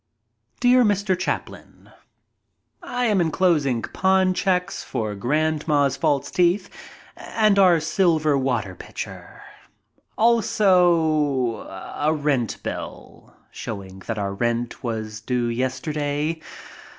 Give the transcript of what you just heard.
Dear Mr. Chaplin, — I am inclosing pawn checks for grandma's false teeth and our silver water pitcher, also a rent bill showing that our rent was due yesterday.